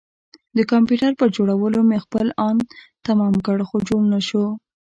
د کمپيوټر پر جوړولو مې خپل ان تمام کړ خو جوړ نه شو.